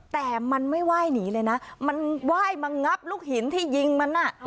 แต่มันไม่ไหว้หนีเลยนะมันไหว้มางับลูกหินที่ยิงมัน